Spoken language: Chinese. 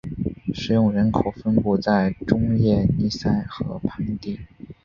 使用人口分布在中叶尼塞河盆地。